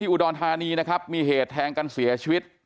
อุดรธานีนะครับมีเหตุแทงกันเสียชีวิต